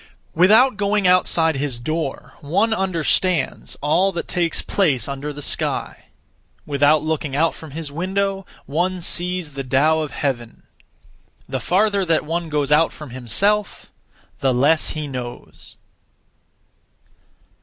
Without going outside his door, one understands (all that takes place) under the sky; without looking out from his window, one sees the Tao of Heaven. The farther that one goes out (from himself), the less he knows.